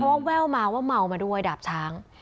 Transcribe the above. เพราะว่าแววมาว่าเมามาด้วยดาบช้าง